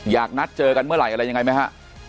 อยากนัดเจอกันเมื่อไหร่อะไรยังไงไหมฮะ